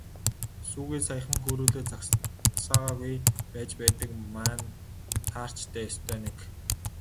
Сүүгээ саяхан хөөрүүлээд загсаагаагүй байж байдаг маань таарч дээ, ёстой нэг.